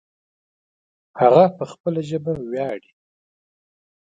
هغه په خپله ژبه ویاړې